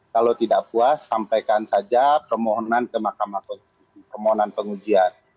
kalau tidak puas sampaikan saja permohonan ke mahkamah konstitusi permohonan pengujian